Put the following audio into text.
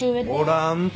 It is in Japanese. おらんて。